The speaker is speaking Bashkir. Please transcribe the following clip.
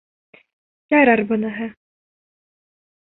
Ярар быныһы...